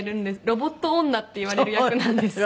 ロボット女って言われる役なんです。